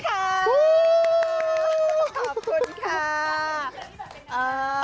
ขอบคุณค่ะ